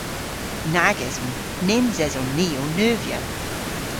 Nag eson. Nyns eson ni ow neuvya.